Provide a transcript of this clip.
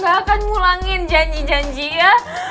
saya akan ngulangin janji janji ya